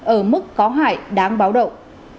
ở mức có hại đáng báo động